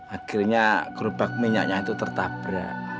akhirnya gerobak minyaknya itu tertabrak